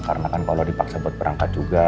karena kan kalau dipaksa buat berangkat juga